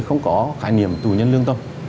không có khái niệm tù nhân lương tâm